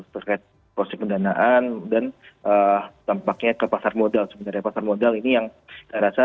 terkait proses pendanaan dan tampaknya ke pasar modal sebenarnya pasar modal ini yang saya rasa